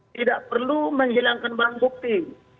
tidak perlu menghilangkan barang bukti